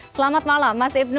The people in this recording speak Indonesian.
selamat malam mas ibnu